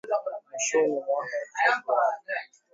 mwishoni mwa Februari